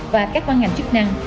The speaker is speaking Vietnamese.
và các quan ngành chức năng